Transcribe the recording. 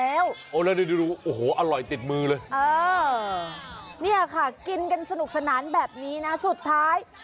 เออนี่ค่ะกินกันสนุกสนานแบบนี้นะสุดท้าย